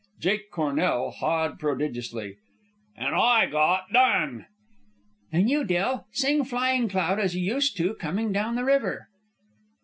Jake Cornell hawed prodigiously. "And I got done." "Then you, Del. Sing 'Flying Cloud' as you used to coming down the river."